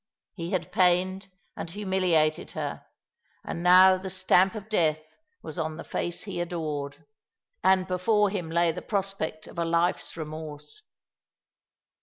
He had pained and humiliated her, and now the stamp of 248 All along the River, death was on the face he adored, and before him lay the prospect of a life's remorse.